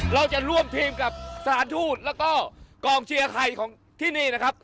เราจะร่วมทีมกับสถานทูตแล้วก็กองเชียร์ไทยของที่นี่นะครับ